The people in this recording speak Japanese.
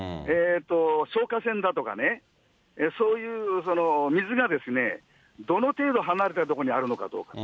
消火栓だとかね、そういう水がですね、どの程度離れた所にあるのかどうか。